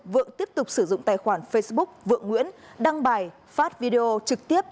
vượng tiếp tục sử dụng tài khoản facebook vượng nguyễn đăng bài phát video trực tiếp